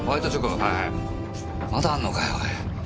まだあんのかよおい。